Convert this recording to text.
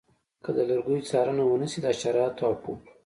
که د لرګیو څارنه ونشي د حشراتو او پوپ